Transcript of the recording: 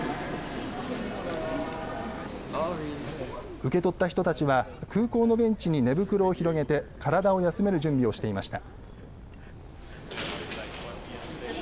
受け取った人たちは空港のベンチに寝袋を広げて体を休める準備をしていました。